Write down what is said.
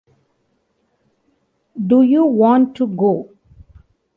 Do you want to go?